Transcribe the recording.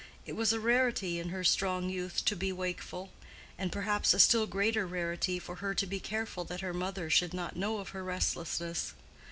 It was a rarity in her strong youth to be wakeful: and perhaps a still greater rarity for her to be careful that her mother should not know of her restlessness.